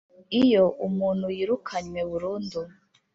iyo umuntu yirukanywe burundu